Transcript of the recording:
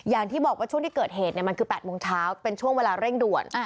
อย่างที่บอกว่าช่วงที่เกิดเหตุมันคือ๘โมงเช้าเป็นช่วงเวลาเร่งด่วน